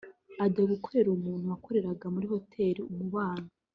ajya gukorera umuntu wakoreraga muri Hotel umubano